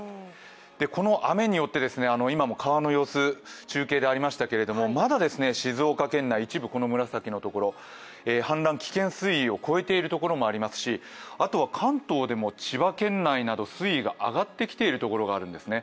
この雨によって、今も川の様子、中継でありましたけれども、まだ静岡県内、一部この紫のところ氾濫危険水位を超えているところもありますしあとは関東でも千葉県内など水位が上がってきているところがあるんですね。